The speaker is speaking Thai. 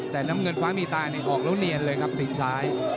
แต่น้ำเงินฟ้ามีตานี่ออกแล้วเนียนเลยครับตีนซ้าย